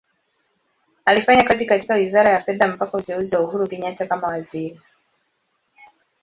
Alifanya kazi katika Wizara ya Fedha mpaka uteuzi wa Uhuru Kenyatta kama Waziri.